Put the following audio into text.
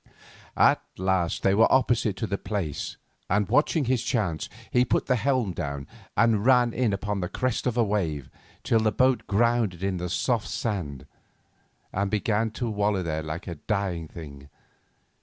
At last they were opposite to the place, and, watching his chance, he put the helm down and ran in upon the crest of a wave, till the boat grounded in the soft sand, and began to wallow there like a dying thing.